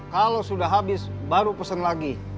kalau sudah habis baru pesan lagi